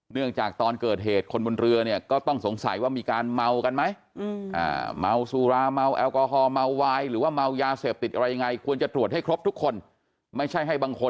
เนื่องจากตอนเกิดเหตุคนบนเรือเนี่ยก็ต้องสงสัยว่ามีการเมากันไหม